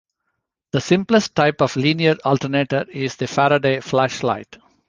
The simplest type of linear alternator is the Faraday Flashlight.